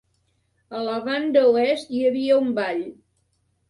A la banda oest hi havia un vall.